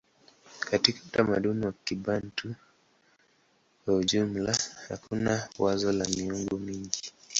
Katika utamaduni wa Kibantu kwa jumla hakuna wazo la miungu mingi.